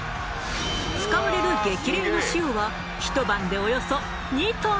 使われる激励の塩はひと晩でおよそ２トン。